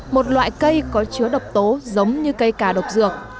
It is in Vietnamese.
một loại cây có chứa độc tố giống như cây cà độc dược